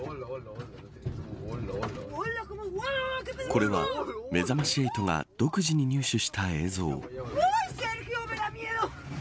これは、めざまし８が独自に入手した映像。